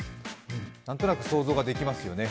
なんとなく想像ができますよね。